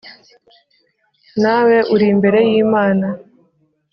Nawe uri imbere y imana